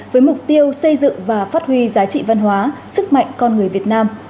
với mục tiêu xây dựng và phát huy giá trị văn hóa sức mạnh con người việt nam